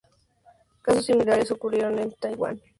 Casos similares ocurrieron en Taiwán, Filipinas e Indonesia.